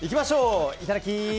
いただき！